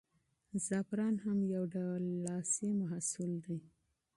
زعفران هم یو ډول لاسي محصول دی.